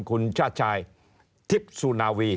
คุณชาติชายทิพย์สุนาวี